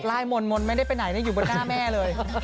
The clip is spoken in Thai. ลายมนต์ไม่ได้ไปไหนอยู่บนหน้าแม่เลย